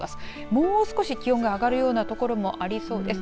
もう少し気温が上がるような所もありそうです。